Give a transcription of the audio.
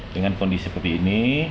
dengan kondisi seperti ini